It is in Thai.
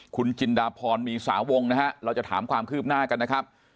คุณจินดาพรมีสาวงนะฮะเราจะถามความคืบหน้ากันนะครับ